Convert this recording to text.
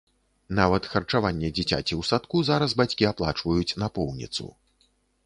Нават харчаванне дзіцяці ў садку зараз бацькі аплачваюць напоўніцу.